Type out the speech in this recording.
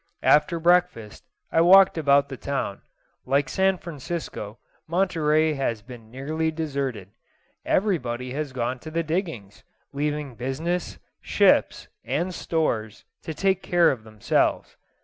After breakfast I walked about the town. Like San Francisco, Monterey has been nearly deserted. Everybody has gone to the diggings, leaving business, ships, and stores, to take care of themselves.